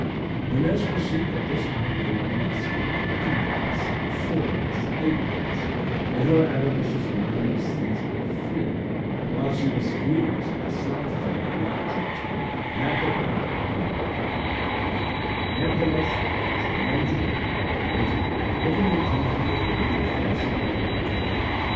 The nurse perceived that this might go on thus for two days, four days, eight days, even, and her avaricious mind was seized with fear. She was excited to fury against the cunning fellow who had tricked her, and against the woman who would not die. Nevertheless, she began to sew and waited with her eyes fixed on the wrinkled face of Mother Bontemps.